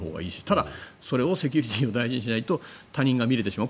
ただ、それをセキュリティーを大事にしないと他人が見れてしまう。